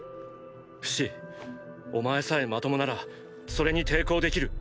フシお前さえまともならそれに抵抗できる。